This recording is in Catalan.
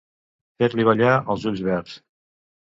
Fer-li ballar els ulls verds.